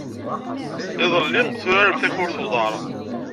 Iḍelli, turarem takurt n uḍar.